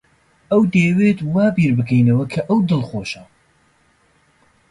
ئەو دەیەوێت وا بیر بکەینەوە کە ئەو دڵخۆشە.